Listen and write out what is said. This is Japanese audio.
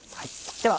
では